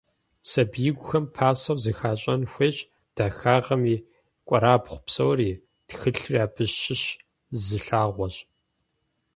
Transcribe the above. Сабиигухэм пасэу зыхащӏэн хуейщ дахагъэм и кӏуэрабгъу псори, тхылъри абы щыщ зы лъагъуэщ.